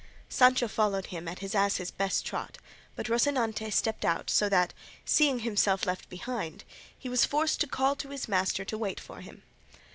Sancho followed him at his ass's best trot, but Rocinante stepped out so that, seeing himself left behind, he was forced to call to his master to wait for him.